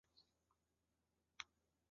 中文版由台湾角川出版发行。